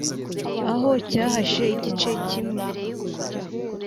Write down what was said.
aho cyahashe igice kimwe